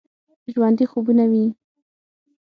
ژوندي خوبونه ويني